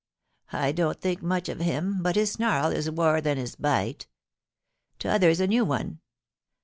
I don't think much of him, but his snarl is waur than his bite. T'other's a new one.